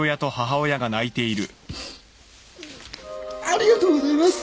ありがとうございます！